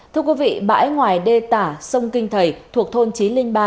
thưa quý vị bãi ngoài đê tả sông kinh thầy thuộc thôn trí linh ba